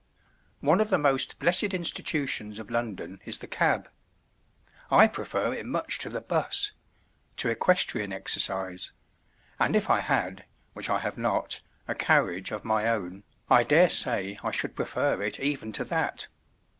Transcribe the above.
One of the most blessed institutions of London is the cab. I prefer it much to the 'bus—to equestrian exercise—and if I had, which I have not, a carriage of my own, I dare say I should prefer it even to that.